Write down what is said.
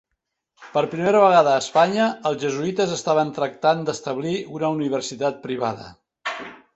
Per primera vegada a Espanya, els jesuïtes estaven tractant d'establir una universitat privada.